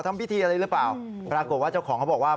ทำพิธีอะไรหรือเปล่าปรากฏว่าเจ้าของเขาบอกว่า